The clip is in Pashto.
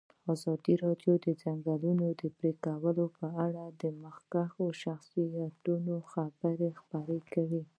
ازادي راډیو د د ځنګلونو پرېکول په اړه د مخکښو شخصیتونو خبرې خپرې کړي.